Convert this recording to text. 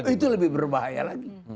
itu lebih berbahaya lagi